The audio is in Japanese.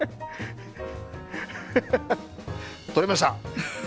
取れました。